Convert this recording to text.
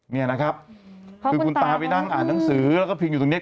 นี่นะครับคือคุณตาไปนั่งอ่านหนังสือแล้วก็พิมพ์อยู่ตรงนี้